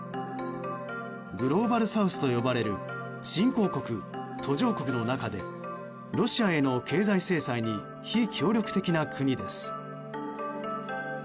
グローバルサウスと呼ばれる新興国・途上国の中でロシアへの経済制裁に非協力的な国です。